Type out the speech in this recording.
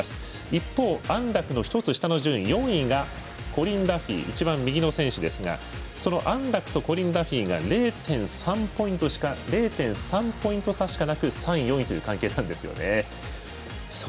一方、安楽の１つ下の順位４位がコリン・ダフィー一番右の選手ですがその安楽とコリン・ダフィーが０．３ポイント差しかなく３位、４位ということなんですよね。